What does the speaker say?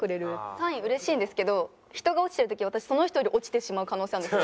３位うれしいんですけど人が落ちてる時私その人より落ちてしまう可能性あるんですよね。